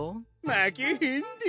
まけへんで！